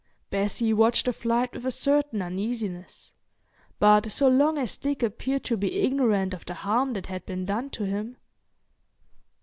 Bessie watched the flight with a certain uneasiness; but so long as Dick appeared to be ignorant of the harm that had been done to him...